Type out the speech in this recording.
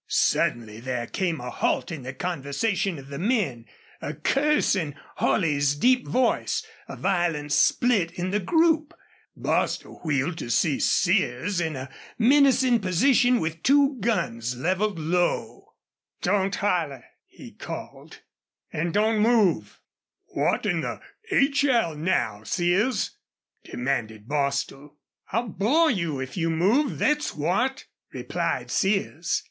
Suddenly there came a halt in the conversation of the men, a curse in Holley's deep voice, a violent split in the group. Bostil wheeled to see Sears in a menacing position with two guns leveled low. "Don't holler!" he called. "An' don't move!" "What 'n the h l now, Sears?" demanded Bostil. "I'll bore you if you move thet's what!" replied Sears.